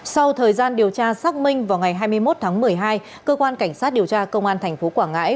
sau thời gian điều tra xác minh vào ngày hai mươi một tháng một mươi hai cơ quan cảnh sát điều tra công an tp quảng ngãi